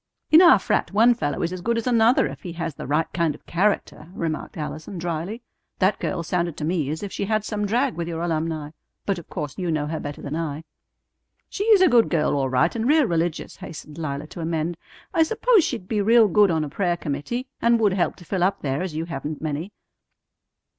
"In our frat one fellow is as good as another if he has the right kind of character," remarked Allison dryly. "That girl sounded to me as if she had some drag with your alumni. But of course you know her better than I." "She is a good girl all right and real religious," hastened Lila to amend. "I suppose she'd be real good on a prayer committee, and would help to fill up there, as you haven't many."